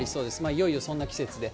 いよいよそんな季節で。